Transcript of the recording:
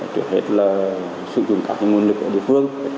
trước hết là sử dụng các nguồn lực ở địa phương